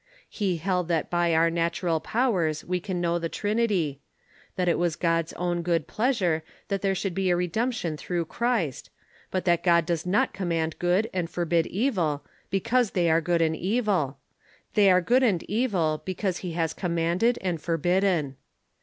He held that by our natural powers we can know the Trinity ; that it was God's own good pleasure that there should be a re demption through Christ ; but that God does not command good and forbid evil because they ai'e good and evil ; they are good and evil because he has commanded and forbidden.